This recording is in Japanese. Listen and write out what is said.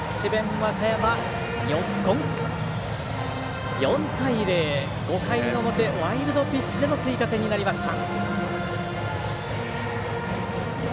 和歌山、４対０。５回の表、ワイルドピッチでの追加点になりました。